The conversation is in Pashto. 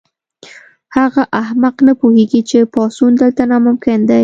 هغه احمق نه پوهیږي چې پاڅون دلته ناممکن دی